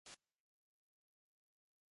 Communism کی اصل یہی ہے۔